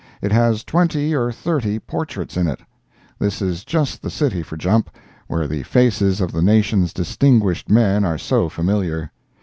It has twenty or thirty portraits in it. This is just the city for Jump, where the faces of the nation's distinguished men are so familiar.